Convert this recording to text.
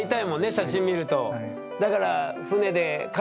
写真見ると。